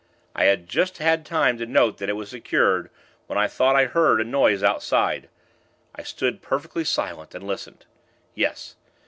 I had just had time to note that it was secured, when I thought I heard a noise outside. I stood perfectly silent, and listened. Yes!